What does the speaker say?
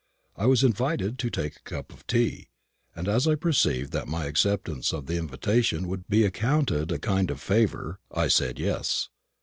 I was invited to take a cup of tea; and as I perceived that my acceptance of the invitation would be accounted a kind of favour, I said yes.